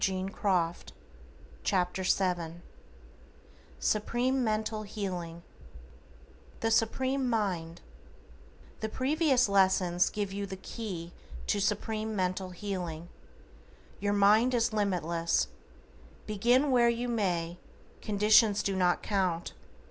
=Lesson Seventh= =SUPREME MENTAL HEALING= =THE SUPREME MIND:= The previous lessons give you the key to Supreme Mental Healing. Your mind is limitless. Begin where you may, conditions do not count.